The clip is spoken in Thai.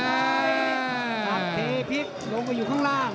หักเทพลิกลงไปอยู่ข้างล่าง